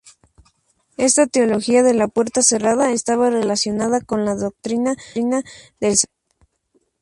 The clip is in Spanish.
Esta teología de la puerta cerrada estaba relacionada con la doctrina del Santuario.